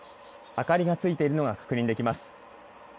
明かりがついているのが確認できます。